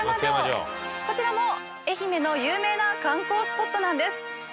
こちらも愛媛の有名な観光スポットなんです。